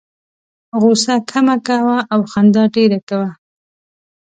غوسه کمه کوه او خندا ډېره کوه.